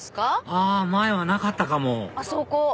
あ前はなかったかもあそこ。